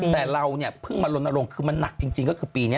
แต่เราเนี่ยเพิ่งมาลนลงคือมันหนักจริงก็คือปีนี้